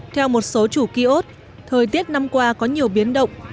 theo một số chủ kiosk thời tiết năm qua có nhiều biến động